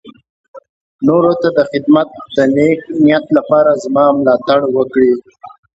نورو ته د خدمت د نېک نيت لپاره زما ملاتړ وکړي.